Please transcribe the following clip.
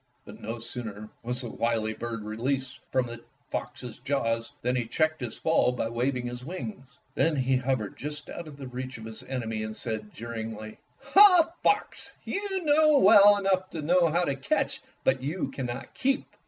But no sooner was the wily bird released from the fox's jaws than he checked his fall by waving his wings. Then he hovered just out of reach of his enemy and said jeeringly, ''Ah, Fox! you know well enough how to catch, but you cannot keep."